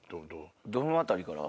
どの辺りから？